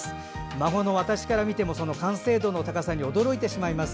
孫の私から見ても完成度の高さに驚いてしまいます。